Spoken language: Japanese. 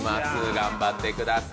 頑張ってください。